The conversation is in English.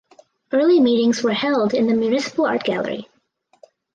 Early meetings were held in the municipal Art Gallery.